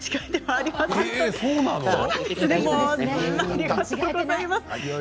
ありがとうございます。